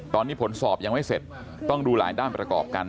ตอนนี้ผลสอบยังไม่เสร็จต้องดูหลายด้านประกอบกัน